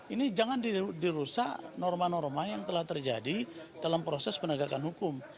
ini jangan dirusak norma norma yang telah terjadi dalam proses penegakan hukum